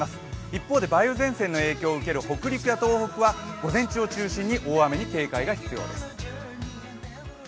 一方で梅雨前線の影響を受ける北陸や東北は午前中を中心に大雨に警戒が必要です。